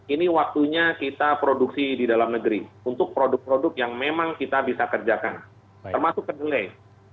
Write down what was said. ini waktunya kita produksi di dalam negeri untuk produk produk yang memang kita bisa kerjakan termasuk ke delai